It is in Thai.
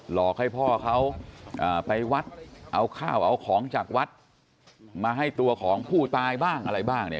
หลอกให้พ่อเขาไปวัดเอาข้าวเอาของจากวัดมาให้ตัวของผู้ตายบ้างอะไรบ้างเนี่ย